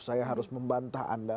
saya harus membantah anda